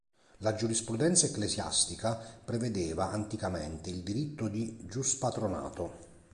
La giurisprudenza ecclesiastica prevedeva anticamente il diritto di giuspatronato.